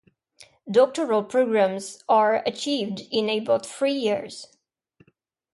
Doctoral programmes are achieved in about three years.